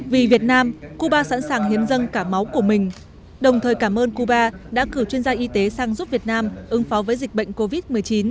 vì việt nam cuba sẵn sàng hiến dân cả máu của mình đồng thời cảm ơn cuba đã cử chuyên gia y tế sang giúp việt nam ứng phó với dịch bệnh covid một mươi chín